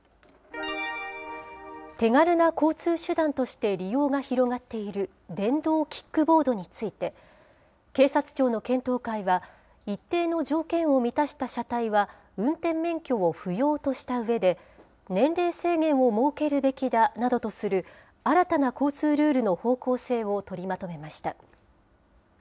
気軽な交通手段として、利用が広がっている電動キックボードについて、警察庁の検討会は、一定の条件を満たした車体は運転免許を不要としたうえで、年齢制限を設けるべきだなどとする新たな交通ルールの方向性を取りまとめました。